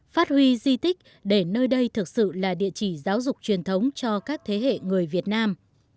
phát huy di tích để nơi đây thực sự là địa chỉ giáo dục truyền thống cho các thế hệ người việt nam